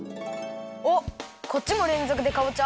おっこっちもれんぞくでかぼちゃ？